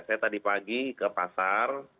saya tadi pagi ke pasar